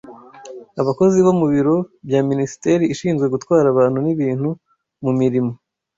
Abakozi bo mu biro bya Minisiteri ishinzwe Gutwara Abantu n’Ibintu mu mirimo